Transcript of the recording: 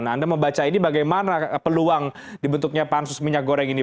nah anda membaca ini bagaimana peluang dibentuknya pansus minyak goreng ini